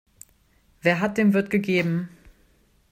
Wer hat, dem wird gegeben.